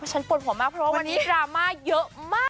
ฉันปวดหัวมากเพราะว่าวันนี้ดราม่าเยอะมาก